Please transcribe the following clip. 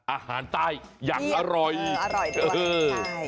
อาหารใต้อย่างอร่อยเอออร่อยด้วยใช่